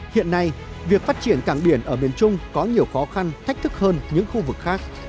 hiện nay việc phát triển cảng biển ở miền trung có nhiều khó khăn thách thức hơn những khu vực khác